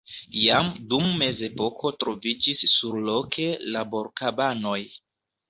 Jam dum Mezepoko troviĝis surloke laborkabanoj.